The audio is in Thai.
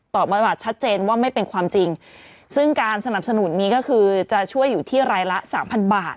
บริบัติชัดเจนว่าไม่เป็นความจริงซึ่งการสนับสนุนนี้ก็คือจะช่วยอยู่ที่รายละสามพันบาท